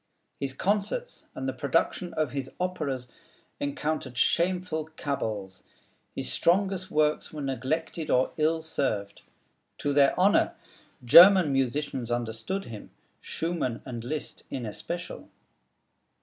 His concerts and the production of his operas encountered shameful cabals. His strongest works were neglected or ill served. To their honor, German musicians understood him, Schumann and Liszt in especial.